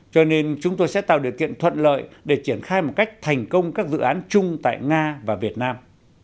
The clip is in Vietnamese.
cho nên chúng tôi sẽ tạo điều kiện thuận lợi để triển khai một cách thành công các dự án chung tại nga và việt nam